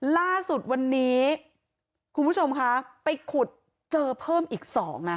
ล่าสุดวันนี้คุณผู้ชมคะไปขุดเจอเพิ่มอีก๒นะ